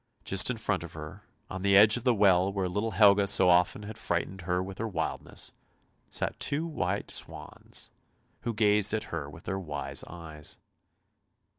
Just in front of her, on the edge of the well where little Helga so often had frightened her with her wildness, sat two white swans, who gazed at her with their wise eyes.